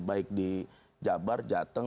baik di jabar jateng